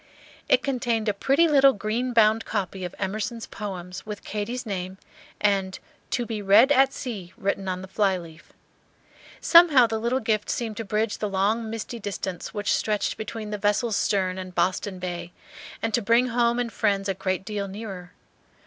It contained a pretty little green bound copy of Emerson's Poems, with Katy's name and "To be read at sea," written on the flyleaf. Somehow the little gift seemed to bridge the long misty distance which stretched between the vessel's stern and Boston Bay, and to bring home and friends a great deal nearer.